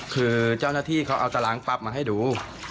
คือเจ้าหน้าที่เขาเอาตารางปั๊บมาให้ดู